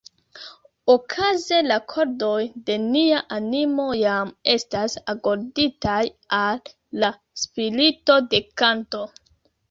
Okaze la kordoj de nia animo jam estas agorditaj al la spirito de kanto.